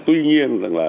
tuy nhiên là